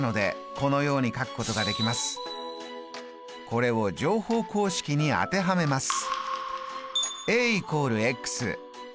これを乗法公式に当てはめます。